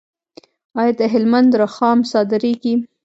آیا د هلمند رخام صادریږي؟